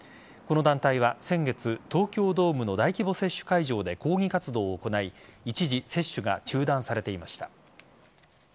この団体は先月東京ドームの大規模接種会場で抗議活動を行い一時、接種が中断されていました。